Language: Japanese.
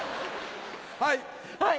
はい！